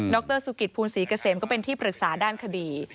รสุกิตภูลศรีเกษมก็เป็นที่ปรึกษาด้านคดี